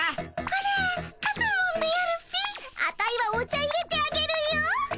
アタイはお茶いれてあげるよ。